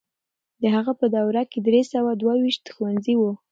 د هغه په دوره کې درې سوه دوه ويشت ښوونځي وو.